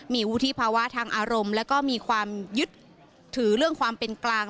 มีวุฒิภาวะทางอารมณ์แล้วก็มีความยึดถือเรื่องความเป็นกลาง